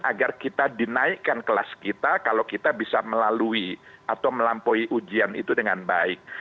agar kita dinaikkan kelas kita kalau kita bisa melalui atau melampaui ujian itu dengan baik